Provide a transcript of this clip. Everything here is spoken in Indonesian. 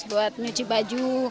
buat nyuci baju